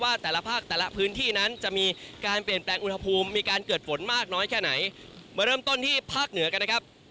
แต่ละภาคแต่ละพื้นที่นั้นจะมีการเปลี่ยนแปลงอุณหภูมิมีการเกิดฝนมากน้อยแค่ไหนมาเริ่มต้นที่ภาคเหนือกันนะครับ